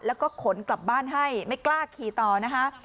แล้วก็ขนกลับบ้านให้ไม่กล้าขี่ต่อนะคะ